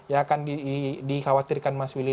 ya akan dikhawatirkan mas willy